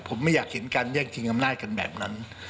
ผมไม่อยากเห็นการแยกชิงอำนาจกันแบบนั้น